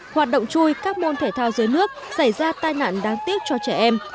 hoạt động chui các môn thể thao dưới nước xảy ra tai nạn đáng tiếc cho trẻ em